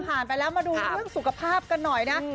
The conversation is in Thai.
ไปแล้วมาดูเรื่องสุขภาพกันหน่อยนะ